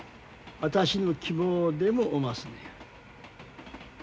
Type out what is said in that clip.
私の希望でもおますねや。